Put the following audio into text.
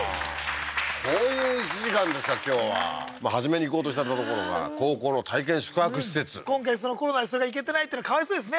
こういう１時間ですか今日は初めに行こうとした所が高校の体験宿泊施設今回コロナでそれが行けてないってのはかわいそうですね